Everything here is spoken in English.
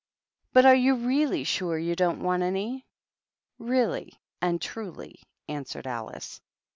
But are you really sure you don't want any?" "Really and truly," answered Alice.